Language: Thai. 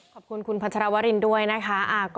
ขอบคุณคุณพัชรวรินด้วยนะคะ